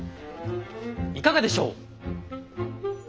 いかがでしょう？